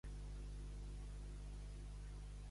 Cada dia es mor un malalt i moren cent metges.